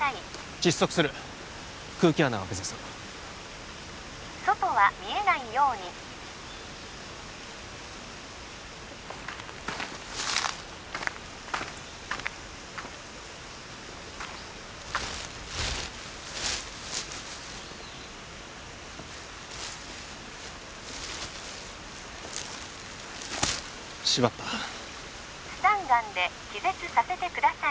窒息する空気穴を開けさせろ外は見えないように縛ったスタンガンで気絶させてください